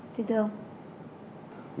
xin thương ông